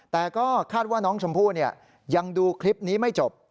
แต่ก็คาดว่าน้องชมพู่ยังดูคลิปนี้ไม่จบ